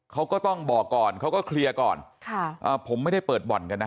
เขาก็ต้องบอกก่อนเขาก็เคลียร์ก่อนค่ะอ่าผมไม่ได้เปิดบ่อนกันนะ